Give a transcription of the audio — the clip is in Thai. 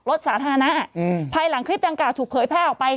รถสาธารณะภายหลังคลิปดังกล่าถูกเผยแพร่ออกไป